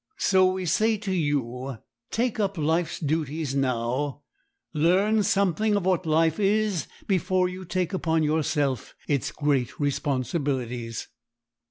So we say to you, take up life's duties now, learn something of what life is before you take upon yourself its great responsibilities.